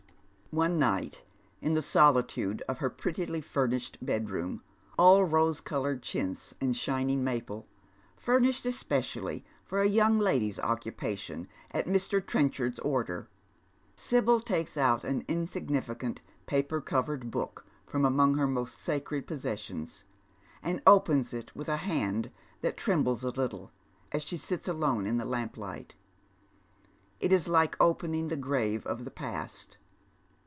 One night, in the solitude of her prettily furnished bedroom, all rose coloured chintz and shining maple, furnished especially for a young lady's occupation at Mr. Trenchard's order, Sibyl takes out an insignificant paper covered book from among her most sacred possessions, and opens it with a hand that trembles a little as she sits alone in the lamplight. It is like opening the grave of the pflst.